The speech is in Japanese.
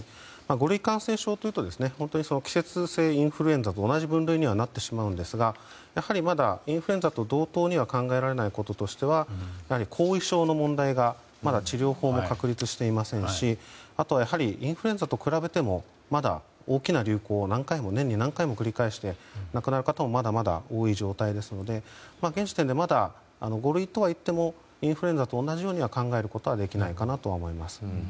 ５類感染症というと季節性インフルエンザと同じ分類にはなってしまうんですがやはりまだインフルエンザと同等とは考えられないこととしては後遺症の問題がまだ治療法も確立していませんしあと、インフルエンザと比べても大きな流行を年に何回も繰り返して亡くなる方もまだまだ多い状態ですので現時点でまだ、５類とはいってもインフルエンザと同じように考えることはできないかなと思います。